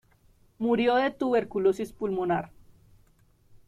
Murió de tuberculosis pulmonar.